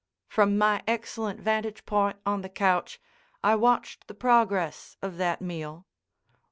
From my excellent vantage point on the couch I watched the progress of that meal.